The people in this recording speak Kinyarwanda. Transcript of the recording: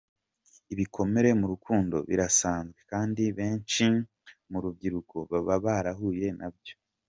Ibikomere mu rukundo, birasanzwe kandi benshi mu rubyiruko baba barahuye nabyo.